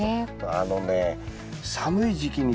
あのね寒い時期に？